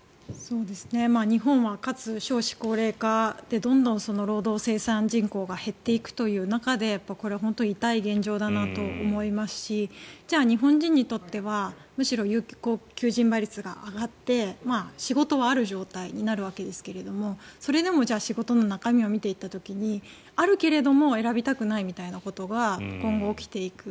日本は、かつ少子高齢化でどんどん労働生産人口が減っていく中でこれ、本当に痛い現状だなと思いますしじゃあ、日本人にとってはむしろ有効求人倍率は上がって仕事はある状態になるわけですがそれでも仕事の中身を見ていった時にあるけれども選びたくないみたいなことが今後、起きていく。